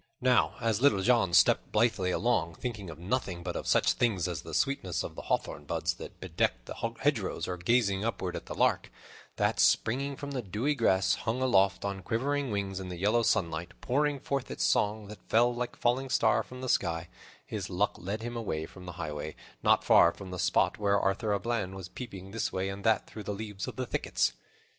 Now as Little John stepped blithely along, thinking of nothing but of such things as the sweetness of the hawthorn buds that bedecked the hedgerows, or gazing upward at the lark, that, springing from the dewy grass, hung aloft on quivering wings in the yellow sunlight, pouring forth its song that fell like a falling star from the sky, his luck led him away from the highway, not far from the spot where Arthur a Bland was peeping this way and that through the leaves of the thickets.